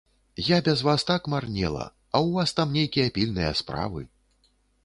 Я без вас так марнела, а ў вас там нейкія пільныя справы.